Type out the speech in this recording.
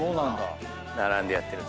並んでやってるやつね。